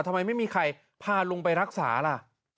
ทำไมไม่มีใครพาลุงไปรักษาล่ะ